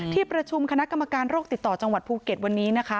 ที่ประชุมคณะกรรมการโรคติดต่อจังหวัดภูเก็ตวันนี้นะคะ